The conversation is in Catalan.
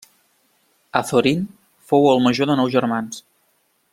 Azorín fou el major de nou germans.